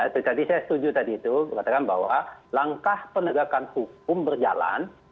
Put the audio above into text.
itu tadi saya setuju tadi itu mengatakan bahwa langkah penegakan hukum berjalan